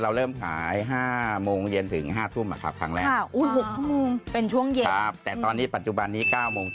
ถ้ามาเราประสบความสำเร็จก่อนหน้านี้ปัญหามีเยอะแน่